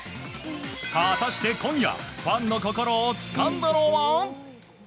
果たして今夜ファンの心をつかんだのは。